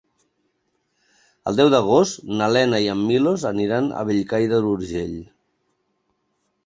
El deu d'agost na Lena i en Milos aniran a Bellcaire d'Urgell.